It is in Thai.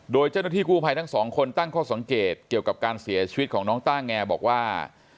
โดยเจ้าหน้าที่กู้ภัยทั้งสองคนตั้งข้อสังเกตเกี่ยวกับการเสียชีวิตของน้องต้าแงบอกว่า